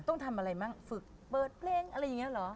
ต้องทำอะไรบ้างฝึกเปิดเพลงอะไรอย่างนี้เหรอ